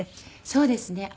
そうですね。